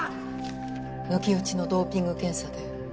抜き打ちのドーピング検査で。